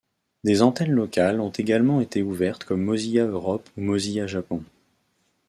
Des antennes locales ont également été ouvertes comme Mozilla Europe ou Mozilla Japon.